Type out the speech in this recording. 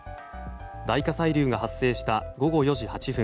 大火砕流が発生した午後４時８分